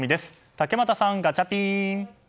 竹俣さん、ガチャピン！